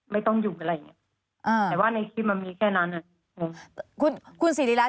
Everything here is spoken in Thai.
ไม่ต้องอยู่กับอะไรอย่างเนี้ย